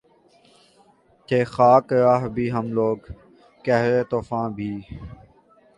تھے خاک راہ بھی ہم لوگ قہر طوفاں بھی